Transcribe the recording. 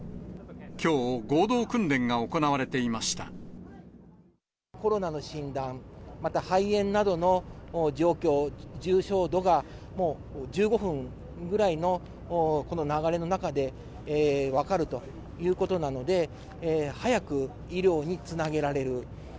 きょう、コロナの診断、また肺炎などの状況、重症度がもう、１５分ぐらいのこの流れの中で分かるということなので、早く医療につなげられる。